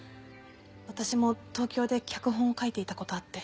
私も東京で脚本を書いていた事あって。